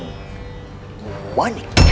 servis bukanya tidak berlaku